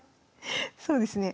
そうですね。